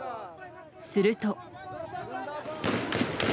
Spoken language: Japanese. すると。